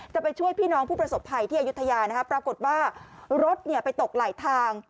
จะไปช่วยพี่น้องผู้ประสบภัยที่อายุทยานะครับปรากฏว่ารถไปตกหลายทาง